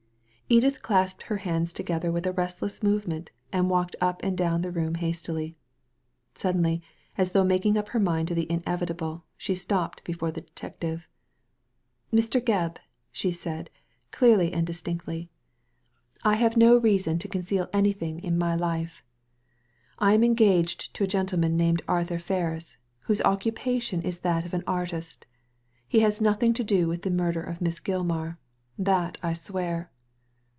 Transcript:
Edith clasped her hands together with a restless movement, and walked up and down the room hastily. Suddenly, as though making up her mind to the inevitable, she stopped before the detective. Jlr. Gebb," she said, clearly and distinctly, | Digitized by Google THE MAD GARDENER 115 have no reason to conceal anything in my life. I am engaged to a gentleman named Arthur Ferris, whose occupation is that of an artist He has nothing to do with the murder of Miss Gilmar — that I swear."